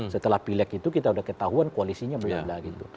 setelah pileg itu kita sudah ketahuan koalisinya mulai